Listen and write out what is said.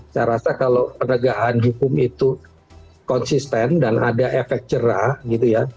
saya rasa kalau penegakan hukum itu konsisten dan ada efek cerah gitu ya